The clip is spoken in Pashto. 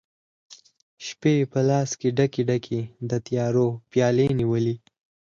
شپي په لاس کې ډکي، ډکي، د تیارو پیالې نیولي